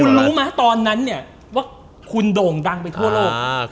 คุณรู้ไหมตอนนั้นเนี่ยว่าคุณโด่งดังไปทั่วโลก